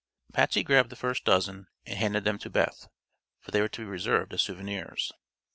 Patsy grabbed the first dozen and handed them to Beth, for they were to be reserved as souvenirs.